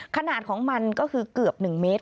ขนาดของมันก็คือเกือบ๑เมตร